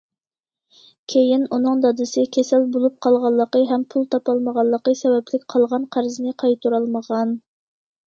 كېيىن ئۇنىڭ دادىسى كېسەل بولۇپ قالغانلىقى ھەم پۇل تاپالمىغانلىقى سەۋەبلىك قالغان قەرزنى قايتۇرالمىغان.